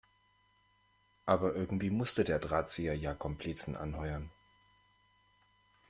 Aber irgendwie musste der Drahtzieher ja Komplizen anheuern.